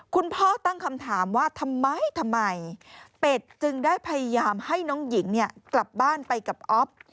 คุณพ่อตั้งคำถามว่าทำไมทำไมเป็ดจึงได้พยายามให้น้องหญิงกลับบ้านไปกับอ๊อฟ